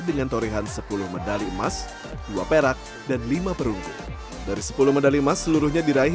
dengan torehan sepuluh medali emas dua perak dan lima perunggu dari sepuluh medali emas seluruhnya diraih